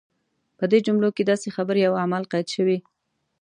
په دې جملو کې داسې خبرې او اعمال قید شوي.